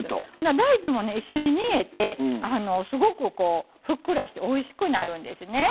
大豆も一緒に煮えてすごくふっくらしておいしくなるんですね。